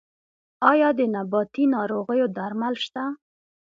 آیا د نباتي ناروغیو درمل شته؟